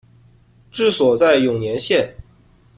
治所在永年县。